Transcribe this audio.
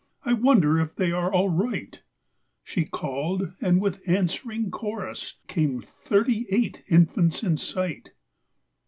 I wonder if they are all She called, and with answering chorus came thirty eight infants in sight.